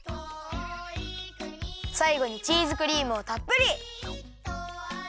さいごにチーズクリームをたっぷり！